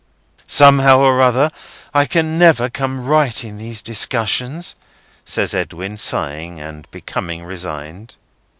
"Somehow or other, I never can come right in these discussions," says Edwin, sighing and becoming resigned.